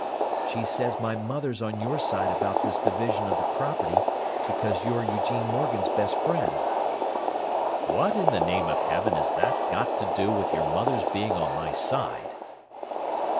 "She says my mother's on your side about this division of the property because you're Eugene Morgan's best friend." "What in the name of heaven has that got to do with your mother's being on my side?"